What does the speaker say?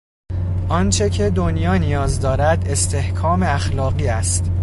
آنچه که دنیا نیاز دارد استحکام اخلاقی است.